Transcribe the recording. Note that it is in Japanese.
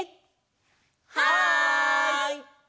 はい！